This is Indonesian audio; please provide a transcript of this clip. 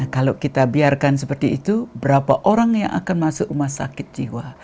kalau kita biarkan seperti itu berapa orang yang akan masuk rumah sakit jiwa